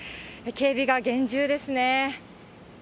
警備が厳重ですね。